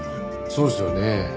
そうですよね。